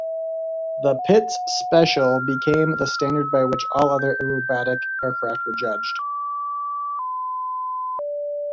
The Pitts Special became the standard by which all other aerobatic aircraft were judged.